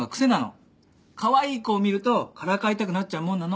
カワイイ子を見るとからかいたくなっちゃうもんなの。